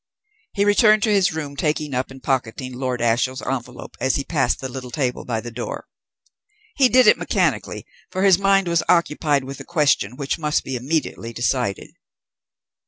He returned to his room, taking up and pocketing Lord Ashiel's envelope as he passed the little table by the door. He did it mechanically, for his mind was occupied with a question which must be immediately decided.